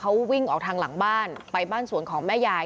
เขาวิ่งออกทางหลังบ้านไปบ้านสวนของแม่ยาย